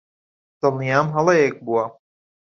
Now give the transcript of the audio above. دڵنیام هەڵەیەک بووە.